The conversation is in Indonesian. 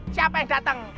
siapa yang datang